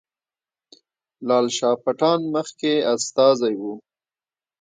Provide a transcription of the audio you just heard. لال شاه پټان مخکې استازی وو.